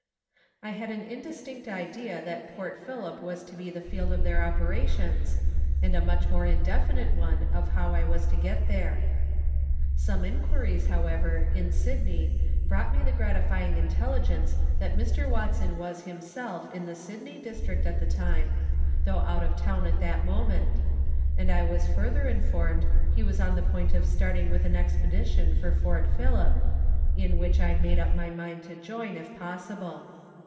I had an indistinct idea that Port Phillip was to be the field of their operations, and a much more indefinite one of how I was to get there. Some inquiries, however, in Sydney brought me the gratifying intelligence that Mr. Watson was himself in the Sydney district at the time, though out of town at that moment ; and I was further informed he was on the point of starting with an expedition for Port Phillip, in which I made up my mind to join, if possible.